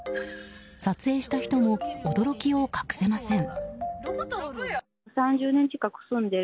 撮影した人も驚きを隠せません。